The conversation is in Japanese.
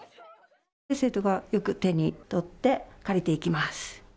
生徒がよく手に取って借りていきます。